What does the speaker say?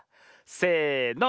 せの！